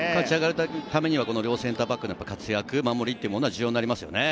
勝ち上がるためにはこの両センターバックの守りというのは重要になりますね。